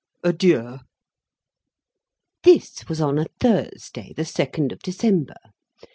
Adieu!" This was on a Thursday, the second of December.